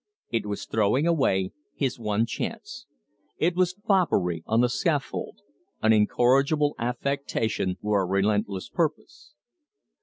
It was throwing away his one chance; it was foppery on the scaffold an incorrigible affectation or a relentless purpose.